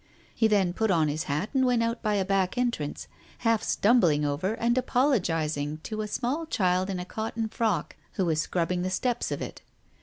He then put on his hat and went out by a back entrance, half stumbling over and apologizing to a small child in a cotton frock who was scrubbing the steps of it.